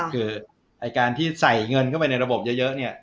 คือในการที่ใส่เงินเข้าไปในระบบเยอะ